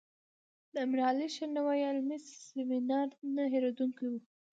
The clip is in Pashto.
د امیر علي شیر نوایي علمي سیمینار نه هیریدونکی و.